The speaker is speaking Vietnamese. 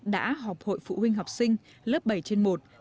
đã họp hội phụ huynh học sinh lớp bảy trên một